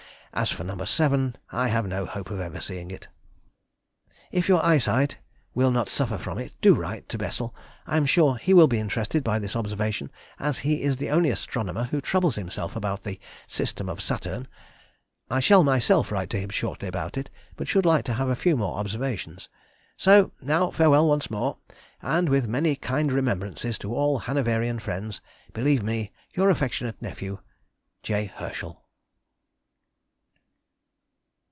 As for No. Seven I have no hope of ever seeing it. [Illustration: Fig. 2.] If your eyesight will not suffer from it, do write to Bessel. I am sure he will be interested by this observation, as he is the only astronomer who troubles himself about the system of Saturn. I shall myself write to him shortly about it, but should like to have a few more observations. So now farewell once more, and, with many kind remembrances to all Hanoverian friends, Believe me, your affectionate nephew, J. HERSCHEL.